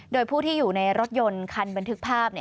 โดยผู้ที่อยู่ในรถยนต์คันบันทึกภาพ